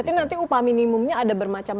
berarti nanti upah minimumnya ada bermacamnya